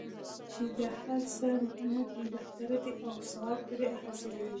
چې د هر څه نه بهتره دی او ثواب پرې حاصلیږي.